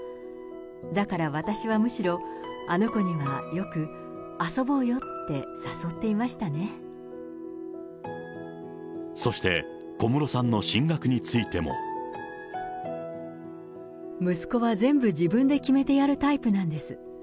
だから私はむしろ、あの子にはよく、そして、小室さんの進学についても。息子は全部自分で決めてやるタイプなんです。